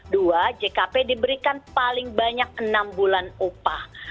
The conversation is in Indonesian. dua jkp diberikan paling banyak enam bulan upah